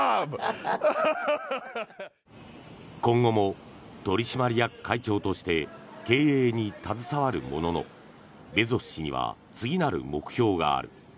今後も取締役会長として経営に携わるもののベゾス氏には次なる目標がある。